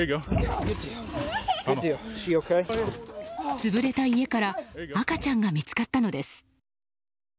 潰れた家から赤ちゃんが見つかったのです。